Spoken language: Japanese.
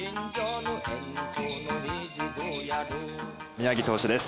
宮城投手です。